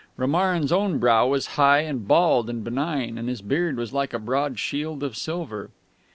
Romarin's own brow was high and bald and benign, and his beard was like a broad shield of silver.